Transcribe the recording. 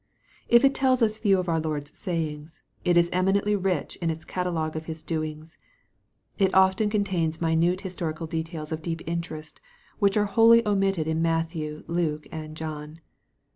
If it tells us few of our Lord's sayings, it is eminently rich in its catalogue of His doings. It often contains minute historical detail: 2 EXPOSITORY THOUGHTS. of deep interest, which are wholly omitted in Matthew, Luke and John.